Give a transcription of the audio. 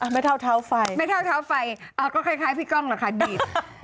ไม่เท่าเท้าไฟไม่เท่าเท้าไฟก็คล้ายพี่ก้องหรอกค่ะดีด